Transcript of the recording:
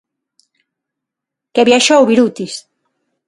Que viaxou Birutis.